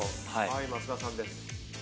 松田さんです。